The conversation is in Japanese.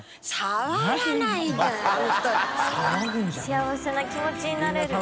幸せな気持ちになれる。